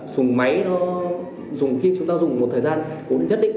dùng máy nó dùng khi chúng ta dùng một thời gian cũng nhất định